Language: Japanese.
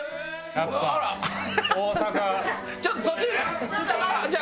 ちょっとそっち。